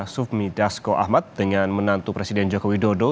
sufmi dasko ahmad dengan menantu presiden joko widodo